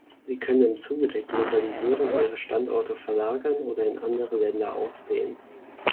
Sie können im Zuge der Globalisierung ihre Standorte verlagern oder in andere Länder ausdehnen.